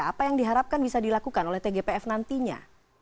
apa yang diharapkan bisa dilakukan oleh tgpf nantinya